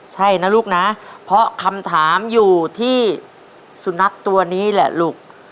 ใช่นะลูกนะเพราะคำถามอยู่ที่สุนัขตัวนี้แหละลูก